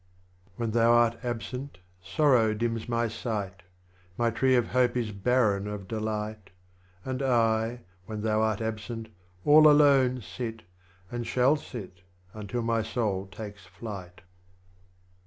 8 THE LAMENT OF 28. When thou art absent Sorrow dims my sight, My Tree of Hope is barren of Delight, And I, when thou art al^sent, all alone Sit, and shall sit until my Soul takes flight.